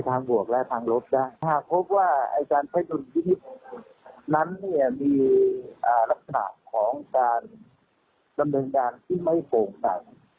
แผ่นดุลพิพินิตรนั้นเนี่ยมีระสาปของการดำเนวงานที่ไม่โกงตรัง